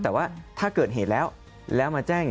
แต่ว่าถ้าเกิดเหตุแล้ว